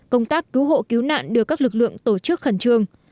công tác cứu hộ cứu nạn được các lực lượng tổ chức khẩn trương